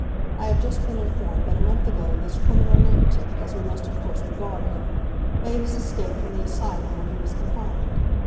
I have just been informed that a month ago this criminal lunatic, as we must of course regard him, made his escape from the asylum where he was confined.